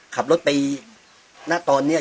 ขับรถไปหน้าตอนเนี่ย